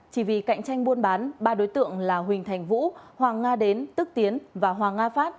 chỉ vì cạnh tranh buôn bán ba đối tượng là huỳnh thành vũ hoàng nga đến tức tiến và hoàng nga phát